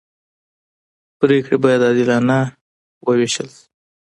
پرېکړې باید عادلانه وېشل شي